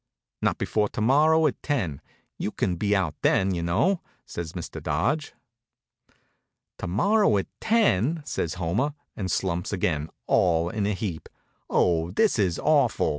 "Not before to morrow at ten. You can be out then, you know," says Mr. Dodge. "To morrow at ten!" says Homer, and slumps again, all in a heap. "Oh, this is awful!"